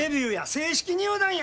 正式入団や！